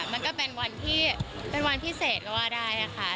มันก็เป็นวันที่เป็นวันพิเศษก็ว่าได้ค่ะ